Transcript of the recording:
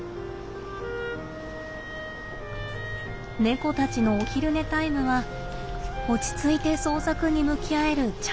猫たちのお昼寝タイムは落ち着いて創作に向き合えるチャンス。